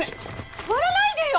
触らないでよ！